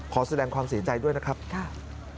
ขอแสดงความเสียใจด้วยนะครับค่ะ